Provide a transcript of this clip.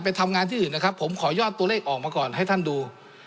ไปทำงานที่อื่นนะครับผมขอยอดตัวเลขออกมาก่อนให้ท่านดู